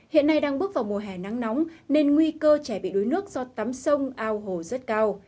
hiện nay đang bước vào mùa hè nắng nóng nên nguy cơ trẻ bị đuối nước do tắm sông ao hồ rất cao